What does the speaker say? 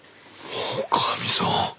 女将さん！